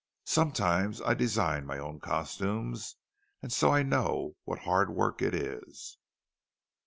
Sometimes I design my own costumes, and so I know what hard work it is!